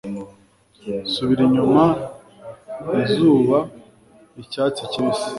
Subira inyuma izuba icyatsi kibisi